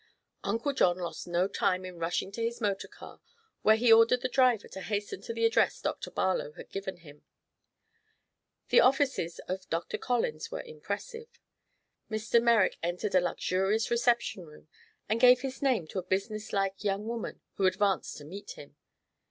Uncle John lost no time in rushing to his motor car, where he ordered the driver to hasten to the address Dr. Barlow had given him. The offices of Dr. Collins were impressive. Mr. Merrick entered a luxurious reception room and gave his name to a businesslike young woman who advanced to meet him.